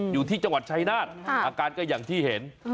อยู่ที่จังหวัดชายนาฏอาการก็อย่างที่เห็น